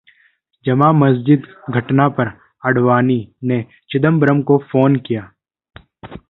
जामा मस्जिद घटना पर आडवाणी ने चिदंबरम को फोन किया